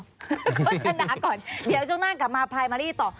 คนชนะก่อนเดี๋ยวช่วงนั้นกลับมาปลายมะรี่ต่อ